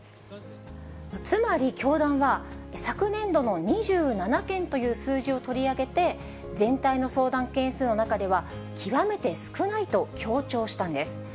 つまり教団は、昨年度の２７件という数字を取り上げて、全体の相談件数の中では極めて少ないと強調したんです。